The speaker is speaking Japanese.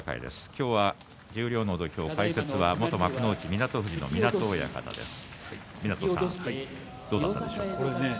今日は十両の土俵、解説は元幕内湊富士の湊親方です。